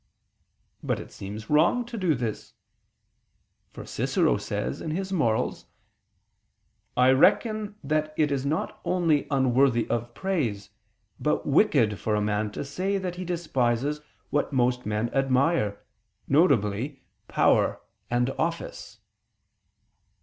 But it seems wrong to do this, for Cicero says (De Offic. i): "I reckon that it is not only unworthy of praise, but wicked for a man to say that he despises what most men admire, viz. power and office."